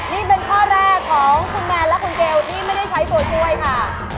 นี่เป็นข้อแรกของคุณแมนและคุณเกลที่ไม่ได้ใช้ตัวช่วยค่ะ